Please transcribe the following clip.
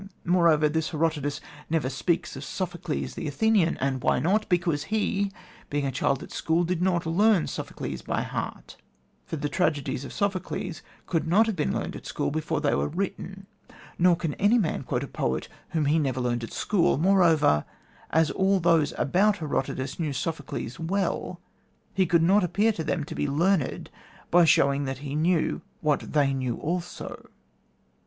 Moreover, this Herodotus never speaks of Sophocles the Athenian, and why not? Because he, being a child at school, did not learn Sophocles by heart: for the tragedies of Sophocles could not have been learned at school before they were written, nor can any man quote a poet whom he never learned at school. Moreover, as all those about Herodotus knew Sophocles well, he could not appear to them to be learned by showing that he knew what they knew also.'